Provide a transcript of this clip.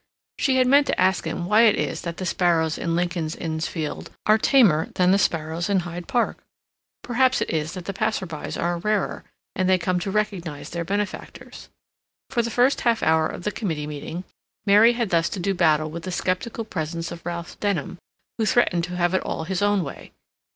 She had meant to ask him why it is that the sparrows in Lincoln's Inn Fields are tamer than the sparrows in Hyde Park—perhaps it is that the passers by are rarer, and they come to recognize their benefactors. For the first half hour of the committee meeting, Mary had thus to do battle with the skeptical presence of Ralph Denham, who threatened to have it all his own way.